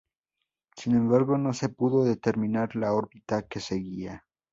Sin embargo, no se pudo determinar la órbita que seguía.